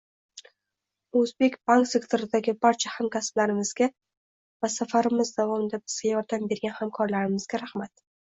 O'zbek bank sektoridagi barcha hamkasblarimizga va safarimiz davomida bizga yordam bergan hamkorlarimizga rahmat